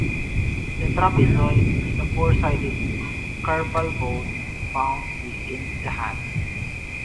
The trapezoid is a four-sided carpal bone found within the hand.